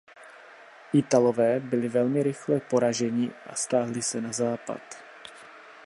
Italové byli velmi rychle poraženi a stáhli se na západ.